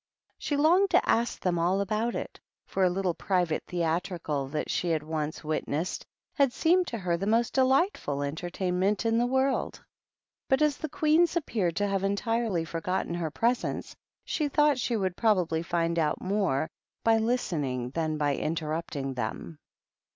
She longed to ask them all about it, for a little private theatrical that she had once witnessed had seemed to her the most delightful entertainment in the world ; but, as the Queens appeared to have entirely forgotten her presence, she thought she would probably find out more by listening than by interrupting them.